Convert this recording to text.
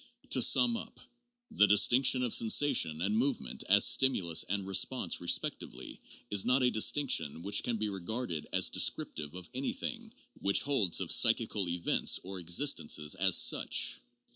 To sum up : the distinction of sensation and movement as stimulus and response respectively is not a distinction which can be regarded as descriptive of anything which holds of psychical events or existences as such.